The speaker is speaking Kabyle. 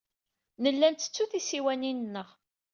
Nella nettettu tisiwanin-nneɣ.